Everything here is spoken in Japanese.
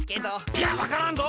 いやわからんぞ！